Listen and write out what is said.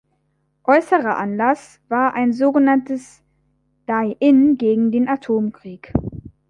Äußerer Anlass war ein sogenanntes Die-in gegen den Atomkrieg.